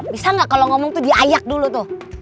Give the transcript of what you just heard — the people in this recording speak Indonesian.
bisa nggak kalau ngomong tuh diayak dulu tuh